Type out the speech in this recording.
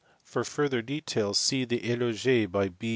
For further details see the eloge by B.